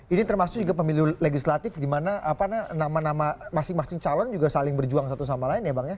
ini termasuk juga pemilu legislatif di mana nama nama masing masing calon juga saling berjuang satu sama lain ya bang ya